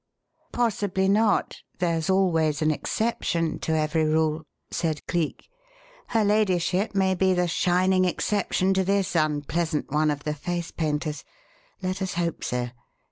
'" "Possibly not. There's always an exception to every rule," said Cleek. "Her ladyship may be the shining exception to this unpleasant one of the 'face painters.' Let us hope so.